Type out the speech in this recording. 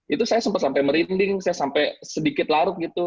itu saya sempat sampai merinding saya sampai sedikit larut gitu